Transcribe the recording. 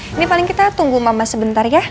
ini paling kita tunggu mama sebentar ya